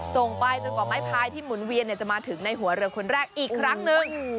ส่งไปจนกว่าไม้พายที่หมุนเวียนจะมาถึงในหัวเรือคนแรกอีกครั้งหนึ่ง